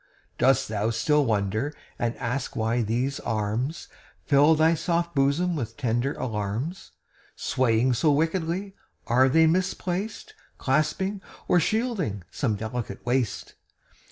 Dost thou still wonder, and ask why these arms Fill thy soft bosom with tender alarms, Swaying so wickedly? Are they misplaced Clasping or shielding some delicate waist?